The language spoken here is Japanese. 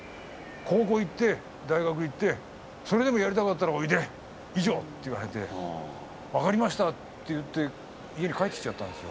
高校行って大学行ってそれでもやりたかったのおいで、以上！と言われて分かりましたと家に帰ってきてしまったんです。